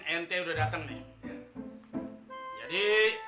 nt udah datang nih jadi